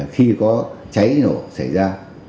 khi có cháy nổ xảy ra